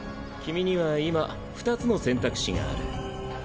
君には今２つの選択肢がある。